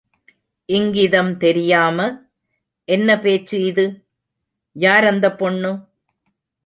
இங்கிதம் தெரியாம என்ன பேச்சு இது? யார் அந்தப் பொண்ணு?